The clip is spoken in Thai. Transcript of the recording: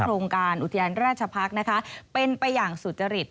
โครงการอุทยานราชพักษ์นะคะเป็นไปอย่างสุจริต